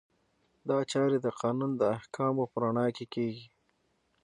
دا چارې د قانون د احکامو په رڼا کې کیږي.